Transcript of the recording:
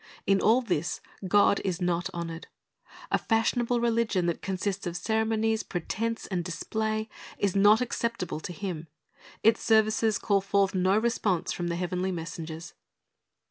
In all this God is not honored. A fashionable religion that consists of ceremonies, pretense, and display, is not acceptable to Him. Its services call forth no response from the heavenly messengers.